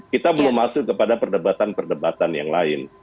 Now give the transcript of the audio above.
kita belum masuk kepada perdebatan perdebatan yang lain